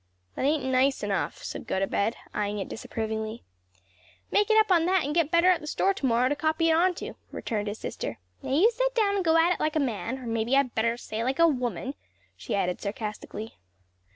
"That ain't nice enough," said Gotobed, eyeing it disapprovingly. "Make it up on that and get better at the store to morrow to copy it onto," returned his sister. "Now you set down and go at it like a man; or maybe I'd better say like a woman," she added sarcastically.